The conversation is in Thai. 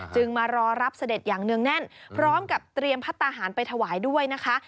มารอรับเสด็จอย่างเนื่องแน่นพร้อมกับเตรียมพัฒนาหารไปถวายด้วยนะคะ